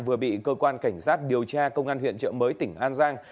vừa bị cơ quan cảnh sát điều tra công an huyện trợ mới tỉnh an giang